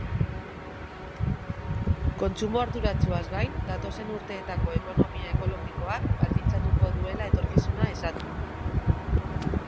Kontsumo arduratsuaz gain, datozen urteetako ekonomia ekologikoak baldintzatuko duela etorkizuna esan du.